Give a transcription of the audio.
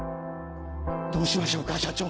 どうしましょうか社長。